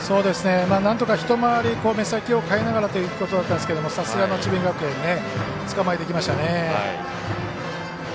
なんとか一回り目先を変えながらということだったんですけどさすがの智弁学園つかまえてきましたね。